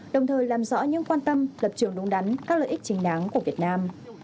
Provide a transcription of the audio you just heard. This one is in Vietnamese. đồng thời làm rõ những quan tâm lập trường đúng đắn các lợi ích chính đáng của việt nam